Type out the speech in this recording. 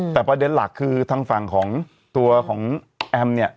แต่ประเด็นหลักคือทางฝั่งของตัวของแอมเนี่ย